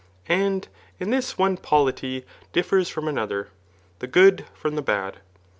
And in tWs one polity differs from another, the good from the^ bad.